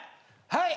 はい！